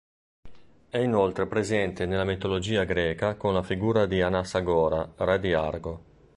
È inoltre presente nella mitologia greca con la figura di Anassagora, re di Argo.